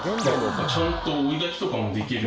ちゃんと追い焚きとかもできる。